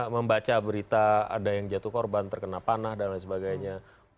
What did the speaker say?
membaca berita ada yang jatuh korban terkena panah dan lain sebagainya